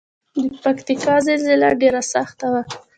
د پکتیکا زلزله ډیره سخته وه